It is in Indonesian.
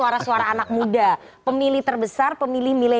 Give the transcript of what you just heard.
menikmati suara suara anak muda pemilih terbesar pemilih militer